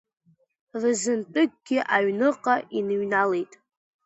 Рызынтәыкгьы аҩныҟа иныҩналеит.